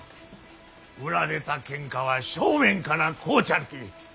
売られたけんかは正面から買うちゃるき。